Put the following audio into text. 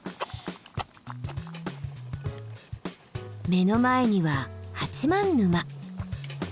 目の前には八幡沼。